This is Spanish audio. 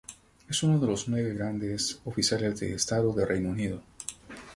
Es uno de los nueve grandes oficiales de Estado de Reino Unido.